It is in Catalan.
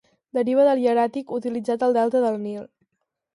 Deriva del hieràtic utilitzat al delta del Nil.